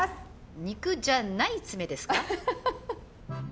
肉じゃない詰めですか？